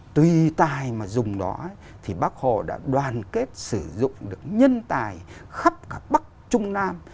tùy tài mà dùng nó thì bác hồ đã đoàn kết sử dụng được nhân tài khắp cả bắc trung nam